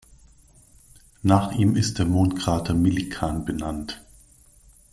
Nach ihm ist der Mondkrater Millikan benannt.